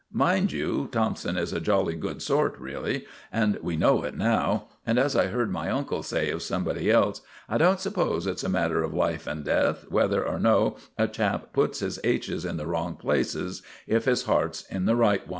Mind you, Thompson is a jolly good sort, really, and we know it now; and, as I heard my uncle say of somebody else, I don't suppose it's a matter of life and death whether or no a chap puts his h's in the wrong places if his heart's in the right one.